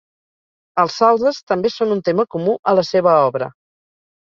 Els salzes també són un tema comú a la seva obra.